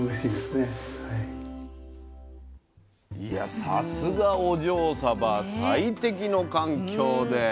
いやさすがお嬢サバ最適の環境で。